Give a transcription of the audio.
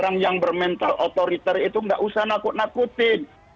orang yang bermental otoriter itu nggak usah nakut nakutin